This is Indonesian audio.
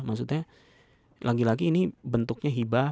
maksudnya lagi lagi ini bentuknya hibah